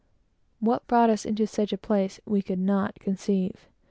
What brought us into such a place, we could not conceive.